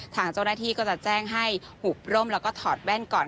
ทางเจ้าหน้าที่ก็จะแจ้งให้หุบร่มแล้วก็ถอดแว่นก่อน